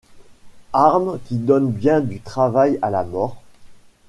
Arme qui donne bien du travail à la Mort.